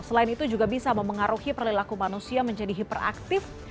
selain itu juga bisa memengaruhi perilaku manusia menjadi hiperaktif